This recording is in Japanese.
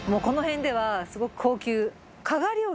この辺ではすごく高級。